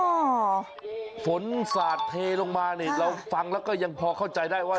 โอ้โหฝนสาดเทลงมานี่เราฟังแล้วก็ยังพอเข้าใจได้ว่า